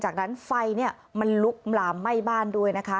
จากนั้นไฟมันลุกลามไหม้บ้านด้วยนะคะ